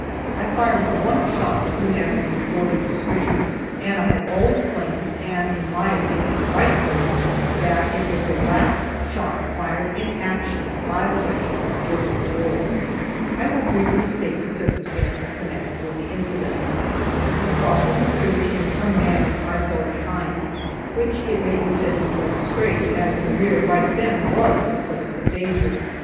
I fired one shot soon after we forded the stream, and I have always claimed, and, in my opinion, rightfully, that it was the last shot fired in action by the regiment during the war. I will briefly state the circumstances connected with the incident. In crossing the creek, in some manner I fell behind, which it may be said was no disgrace, as the rear, right then, was the place of danger.